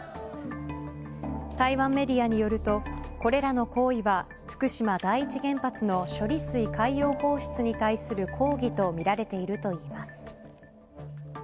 台湾メディアによるとこれらの行為は福島第一原発の処理水海洋放出に対する抗議とみられているといいます。